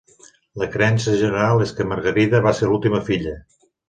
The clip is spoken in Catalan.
La creença general és que Margarida va ser l'última filla.